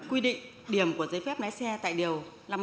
quy định điểm của giấy phép lái xe tại điều năm mươi